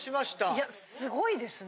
いや凄いですね。